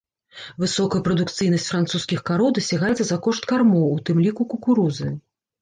Высокая прадукцыйнасць французскіх кароў дасягаецца за кошт кармоў, у тым ліку кукурузы.